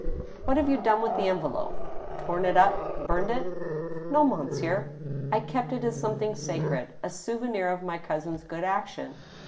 " What have you done with the envelope ? Tom it up ? Burned it?" " No, monsieur ; I kept it as something sacred — ^a souvenir of my cousin's good action.